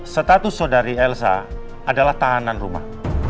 status saudari elsa adalah tahanan rumah